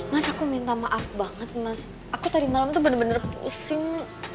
mas aku minta maaf banget mas aku tadi malam tuh bener bener pusing